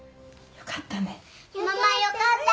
よかったね！